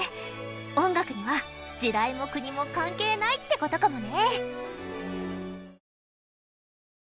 音楽には時代も国も関係ないってことかもね。